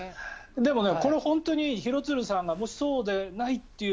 でも、これは本当に廣津留さんがもしそうでないという。